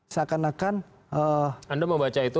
seakan akan negara ini dalam keadaan genting waktu itu ya